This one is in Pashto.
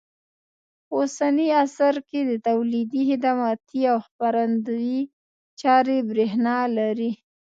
په اوسني عصر کې د تولیدي، خدماتي او خپرندوی چارې برېښنا لري.